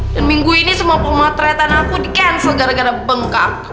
dan minggu ini semua pemateretan aku di cancel gara gara bengkak